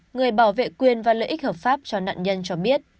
người bảo vệ quyền và lợi ích hợp pháp cho nạn nhân cho biết